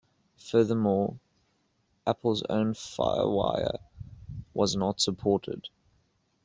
Furthermore, Apple's own FireWire was not supported.